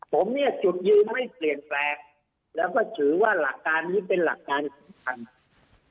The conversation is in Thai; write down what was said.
ผมจุดยืนไม่เปลี่ยนแปลงและก็ถือว่าหลักการนี้เป็นหลักการถูก